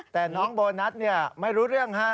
แต่น้องโบรนัสนี่ไม่รู้เรื่อง